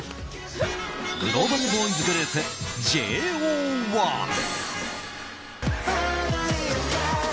グローバルボーイズグループＪＯ１。